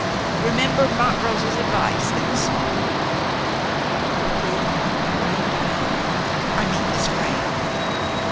Remember Montrose's advice in the song." "You approve of my marrying Diana I mean Miss Vrain?"